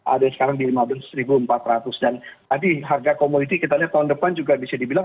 ada yang sekarang di lima belas empat ratus dan tadi harga komoditi kita lihat tahun depan juga bisa dibilang